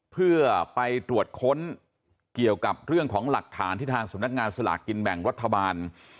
เพื่อไปตรวจค้นเกี่ยวกับเรื่องของหลักฐานที่ทางสำนักงานสลากกินแบ่งรัฐบาล